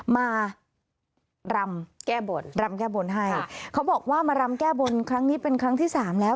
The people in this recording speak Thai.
มารำแก้บนรำแก้บนให้เขาบอกว่ามารำแก้บนครั้งนี้เป็นครั้งที่สามแล้ว